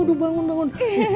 aduh bangun bangun